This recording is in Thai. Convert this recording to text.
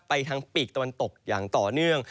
ไปทางปีกตะวันตกอย่างต่อเนื่อง